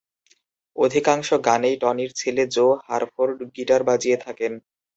অধিকাংশ গানেই টনির ছেলে জো হারফোর্ড গিটার বাজিয়ে থাকেন।